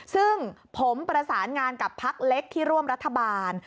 ซึ่งผมประสานงานกับพักเล็กที่ร่วมรัฐบาล